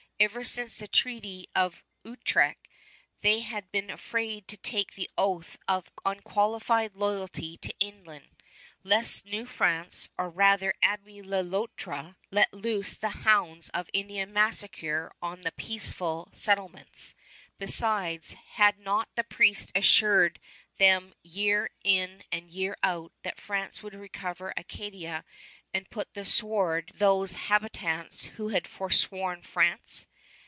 Ever since the Treaty of Utrecht they had been afraid to take the oath of unqualified loyalty to England, lest New France, or rather Abbé Le Loutre, let loose the hounds of Indian massacre on their peaceful settlements. Besides, had not the priest assured them year in and year out that France would recover Acadia and put to the sword those habitants who had forsworn France?